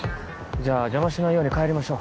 じゃあ邪魔しないように帰りましょう。